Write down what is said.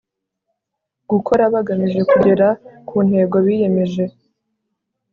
gukora bagamije kugera ku ntego biyemeje